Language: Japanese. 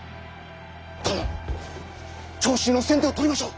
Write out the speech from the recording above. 殿長州の先手を取りましょう。